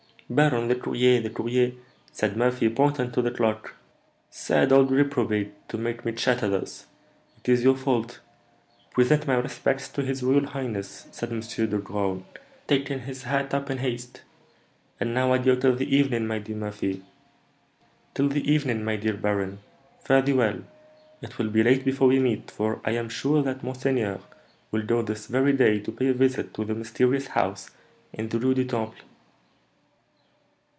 '" "Baron, the courier! the courier!" said Murphy, pointing to the clock. "Sad old reprobate, to make me chatter thus! It is your fault. Present my respects to his royal highness," said M. de Graün, taking his hat up in haste. "And now, adieu till the evening, my dear Murphy." "Till the evening, my dear baron, fare thee well. It will be late before we meet, for I am sure that monseigneur will go this very day to pay a visit to the mysterious house in the Rue du Temple."